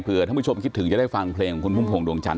เผื่อถ้าคุณผู้ชมคิดถึงจะได้ฟังเพลงของคุณภูมิภวงดวงจันทร์